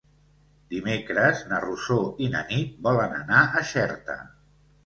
Dimecres na Rosó i na Nit volen anar a Xerta.